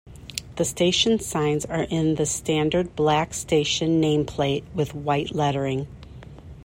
The station signs are in the standard black station name plate with white lettering.